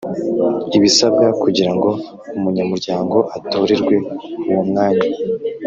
ibisabwa kugira ngo umunyamuryango atorerwe uwo mwanya